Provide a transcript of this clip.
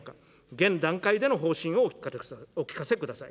現段階での方針をお聞かせください。